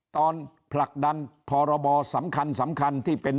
ตอนผลักดันพรบสำคัญที่เป็น